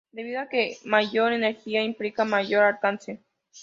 Debido a que, mayor energía, implica mayor alcance.